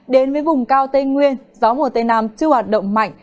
đến với vùng cao tây nguyên gió mùa tây nam chưa hoạt động mạnh